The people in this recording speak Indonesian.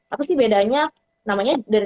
apa sih bedanya namanya dari